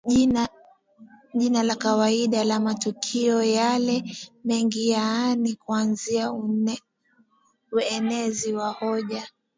jina la kawaida la matukio yale mengi yaani kuanzia uenezi wa hoja